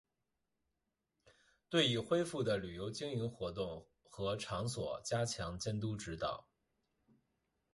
对已恢复的旅游经营活动和场所加强监督指导